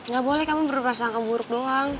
gak boleh kamu berperasaan keburuk doang